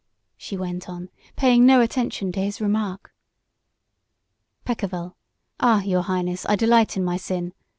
she went on, paying no attention to his remark. "Peccavi. Ah, Your Highness, I delight in my sin.